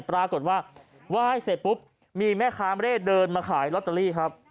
ปรากฏว่าไหว้เสร็จปุ๊บมีแม่ค้าไม่ได้เดินมาขายลอตเตอรี่ครับ